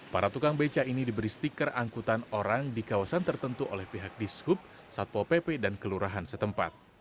para tukang beca ini diberi stiker angkutan orang di kawasan tertentu oleh pihak dishub satpol pp dan kelurahan setempat